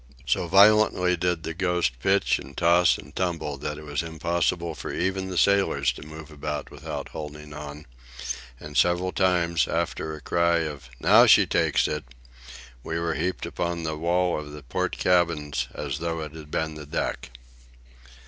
So violently did the Ghost pitch and toss and tumble that it was impossible for even the sailors to move about without holding on, and several times, after a cry of "Now she takes it!" we were heaped upon the wall of the port cabins as though it had been the deck.